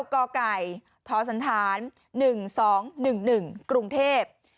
๙กทศ๑๒๑๑กรุงเทพฯ